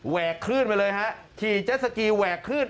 แหวกขึ้นไปเลยฮะขี่เจ็ตสกีแหวกขึ้น